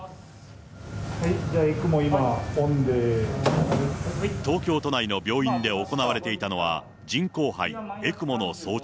じゃあ今、東京都内の病院で行われていたのは、人工肺・ＥＣＭＯの装着。